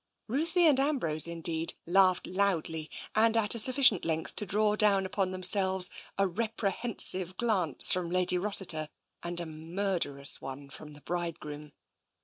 Ruthie and Ambrose, indeed, laughed loudly, and at sufficient length to draw down upon themselves a reprehensive glance from Lady Rossiter and a murderous one from the bride groom.